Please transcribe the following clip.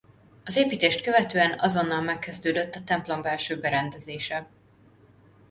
Az építést követően azonnal megkezdődött a templombelső berendezése.